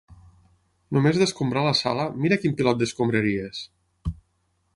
Només d'escombrar la sala, mira quin pilot d'escombraries!